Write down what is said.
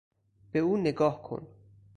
به او نگاه کن!